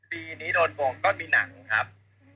ปีนี้โดนโกงก็มีหนังครับ